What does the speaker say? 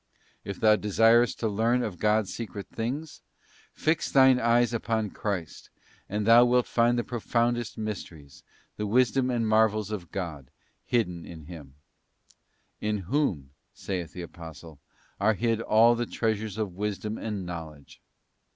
If thou desirest to learn of God secret things, fix thine eyes upon Christ, and thou wilt find the profoundest mysteries, the wisdom and marvels of God, hidden in Him: 'In Whom,' saith the Apostle, 'are hid all the treasures of wisdom and knowledge.